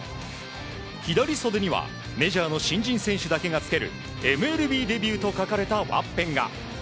左袖にはメジャーの新人選手だけが着けるＭＬＢデビューと書かれたワッペンが。